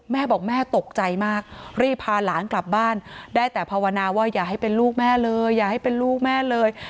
แม่บอกแม่ตกใจมากรีบพาหลานกลับบ้านได้แต่พาวนาว่าอย่าให้เป็นลูกแม่เลย